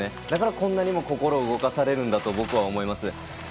だから、こんなにも心が動かされるんだと僕は思います。